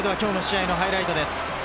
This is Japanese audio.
今日の試合のハイライトです。